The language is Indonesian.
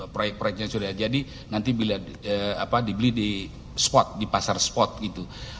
proyek proyeknya sudah jadi nanti bila dibeli di spot di pasar spot gitu